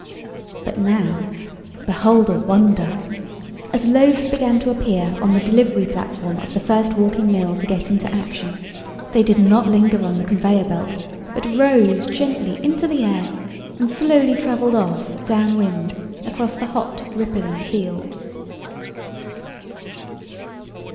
But now, behold a wonder! As loaves began to appear on the delivery platform of the first walking mill to get into action, they did not linger on the conveyor belt, but rose gently into the air and slowly traveled off down wind across the hot rippling fields.